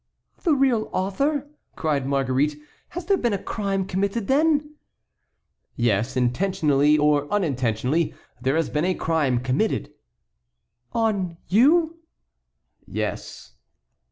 "The real author!" cried Marguerite; "has there been a crime committed, then?" "Yes; intentionally or unintentionally there has been a crime committed." "On you?" "Yes."